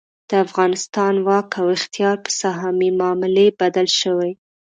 د افغانستان واک او اختیار په سهامي معاملې بدل شوی.